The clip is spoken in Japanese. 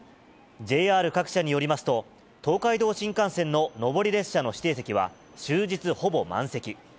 ＪＲ各社によりますと、東海道新幹線の上り列車の指定席は、終日ほぼ満席。